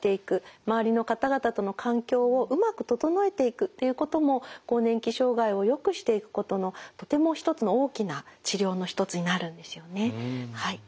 周りの方々との環境をうまく整えていくっていうことも更年期障害をよくしていくことのとても一つの大きな治療の一つになるんですよねはい。